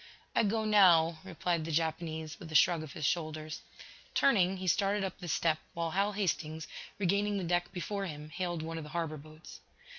"I go now," replied the Japanese, with a shrug of his shoulders. Turning, he started up the step, while Hal Hastings, regaining the deck before him, hailed one of the harbor boats.